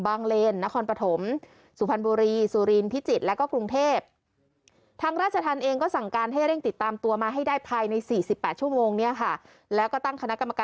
บางเลน